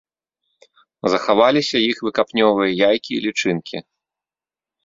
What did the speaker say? Захаваліся іх выкапнёвыя яйкі і лічынкі.